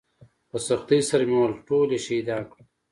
په سختۍ سره مې وويل ټول يې شهيدان کړل.